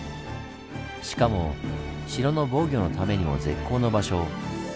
しかも城の防御のためにも絶好の場所。